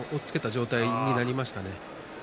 上体になりましたね。